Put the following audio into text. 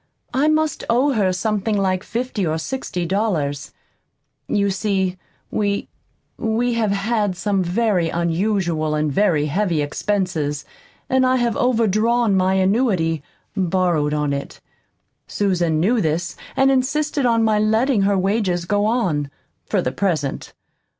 I must owe her something like fifty or sixty dollars. You see, we we have had some very unusual and very heavy expenses, and I have overdrawn my annuity borrowed on it. Susan knew this and insisted on my letting her wages go on, for the present.